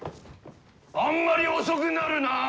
あんまり遅くなるな！